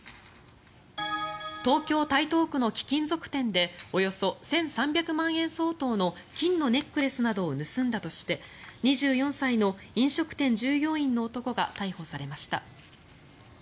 東京・台東区の貴金属店でおよそ１３００万円相当の金のネックレスなどを盗んだとして２４歳の飲食店従業員の男が逮捕されました。